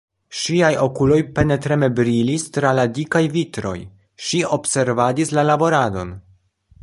Ŝiaj okuloj penetreme brilis tra la dikaj vitroj: ŝi observadis la laboradon.